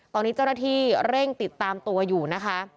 ตอนนี้เจ้าหน้าที่เร่งติดตามตัวอยู่นะคะ